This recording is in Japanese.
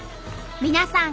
皆さん